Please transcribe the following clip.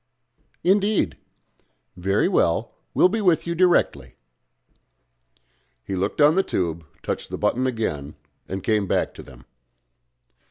Indeed. Very well; we will be with you directly." He looked on the tube, touched the button again, and came back to them.